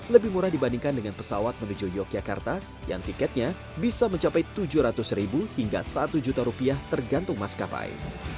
lebih murah dibandingkan dengan pesawat menuju yogyakarta yang tiketnya bisa mencapai rp tujuh ratus hingga rp satu tergantung maskapai